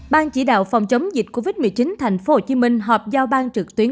ban chỉ đạo phòng chống dịch covid một mươi chín thành phố hồ chí minh họp giao ban trực tuyến